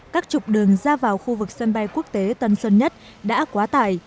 các trục đường ra vào khu vực sân bay quốc tế tân sơn nhất đã quá tải